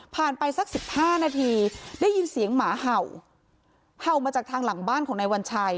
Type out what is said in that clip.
ไปสักสิบห้านาทีได้ยินเสียงหมาเห่าเห่ามาจากทางหลังบ้านของนายวัญชัย